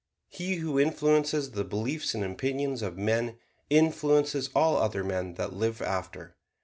He who influences the beliefs and opinions of men influences all other men that live after.